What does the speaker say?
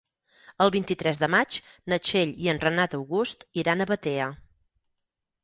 El vint-i-tres de maig na Txell i en Renat August iran a Batea.